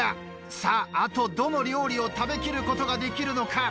さああとどの料理を食べきることができるのか？